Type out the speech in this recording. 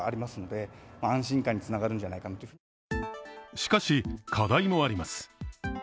しかし、課題もあります。